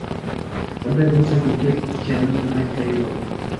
unday bo‘lsa, gulga tikanning nima keragi bor?